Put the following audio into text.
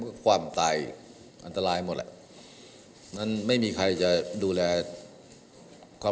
เพื่อความตายอันตรายหมดแหละมันไม่มีใครจะดูแลความ